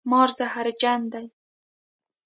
مار زهرجن دی